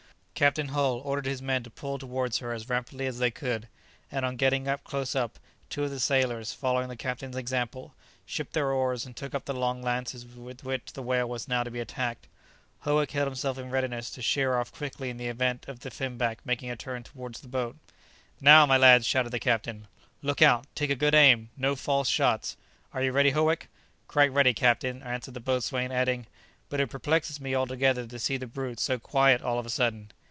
Captain Hull ordered his men to pull towards her as rapidly as they could, and on getting close up, two of the sailors, following the captain's example, shipped their oars and took up the long lances with which the whale was now to be attacked. Howick held himself in readiness to sheer off quickly in the event of the finback making a turn towards the boat. "Now, my lads!" shouted the captain. "Look out! take a good aim! no false shots! Are you ready, Howick?" "Quite ready, captain," answered the boatswain, adding, "but it perplexes me altogether to see the brute so quiet all of a sudden."